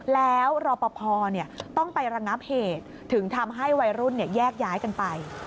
แล้วรอปภต้องไประงับเหตุถึงทำให้วัยรุ่นแยกย้ายกันไป